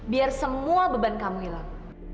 biar semua beban kamu hilang